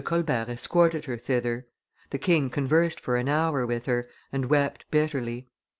Colbert escorted her thither; the king conversed for an hour with her, and wept bitterly.